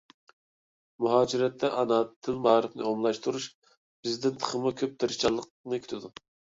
مۇھاجىرەتتە ئانا تىل مائارىپىنى ئومۇملاشتۇرۇش بىزدىن تېخىمۇ كۆپ تىرىشچانلىقلارنى كۈتىدۇ.